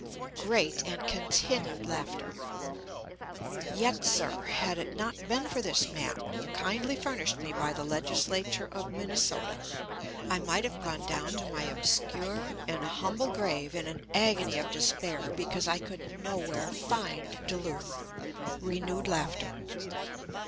(Great and continued laughter.) Yet, sir, had it not been for this map, kindly furnished me by the Legislature of Minnesota, I might have gone down to my obscure and humble grave in an agony of despair, because I could nowhere find Duluth. (Renewed laughter.)